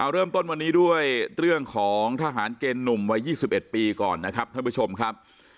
เริ่มต้นวันนี้ด้วยเรื่องของทหารเกณฑ์หนุ่มวัย๒๑ปีก่อนนะครับท่านผู้ชมครับ